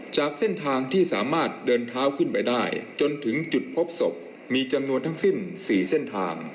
จากเส้นทางที่สามารถเดินเท้าขึ้นไปได้จนถึงจุดพบศพมีจำนวนทั้งสิ้น๔เส้นทาง